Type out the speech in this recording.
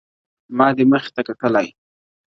ما دي مخي ته کتلای.!